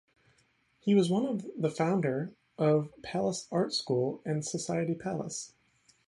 He was one of the founder of Pallas Art School and society Pallas.